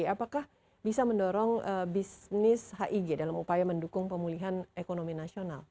apakah bisa mendorong bisnis hig dalam upaya mendukung pemulihan ekonomi nasional